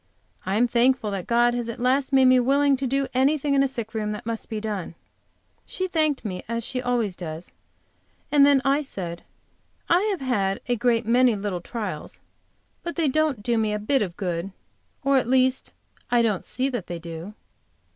I am thankful that God has at last made me willing to do anything in a sick room that must be done. She thanked me, as she always does, and then I said: "I have a great many little trials, but they don't do me a bit of good. Or, at least, I don't see that they do."